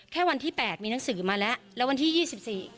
วันที่แปดมีหนังสือมาแล้วแล้ววันที่ยี่สิบสี่